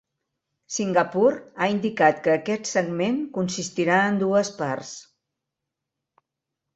Singapur ha indicat que aquest segment consistirà en dues parts.